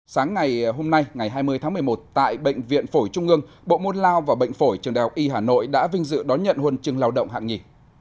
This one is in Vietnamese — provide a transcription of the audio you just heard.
sáng ngày hôm nay ngày hai mươi tháng một mươi một tại bệnh viện phổi trung ương bộ môn lao và bệnh phổi trường đại học y hà nội đã vinh dự đón nhận huân chương lao động hạng nhì